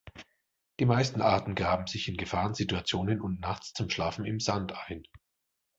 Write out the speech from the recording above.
Die meisten Arten graben sich in Gefahrensituationen und nachts zum Schlafen im Sand ein.